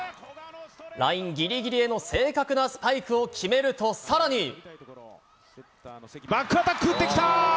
ラインぎりぎりへの正確なスバックアタック打ってきた。